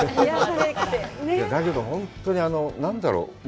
だけど、本当に何だろう。